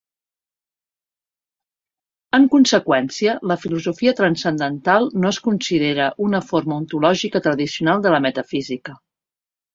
En conseqüència, la filosofia transcendental no es considera una forma ontològica tradicional de la metafísica.